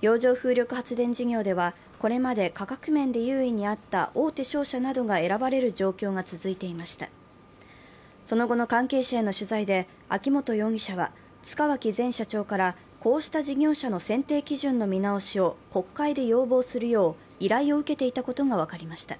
洋上風力発電事業ではこれまで価格面で優位にあった大手商社などが選ばれる状況が続いていましたその後の関係者への取材で秋本容疑者は塚脇前社長からこうした事業者の選定基準の見直しを国会で要望するよう依頼を受けていたことが分かりました。